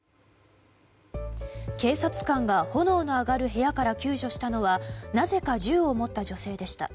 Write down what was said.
警察官が炎の上がる部屋から救助したのはなぜか銃を持った女性でした。